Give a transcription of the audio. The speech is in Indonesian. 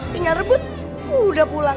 tinggal rebut udah pulang